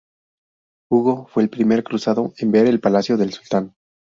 Hugo fue el primer cruzado en ver el palacio del sultán.